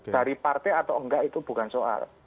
dari partai atau enggak itu bukan soal